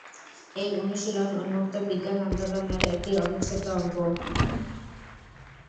এই অনুশীলন উন্মুক্ত বিজ্ঞান আন্দোলনের একটি অবিচ্ছেদ্য অঙ্গ।